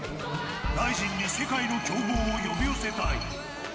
ＲＩＺＩＮに世界の強豪を呼び寄せたい。